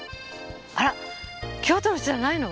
あらっ京都の人じゃないの？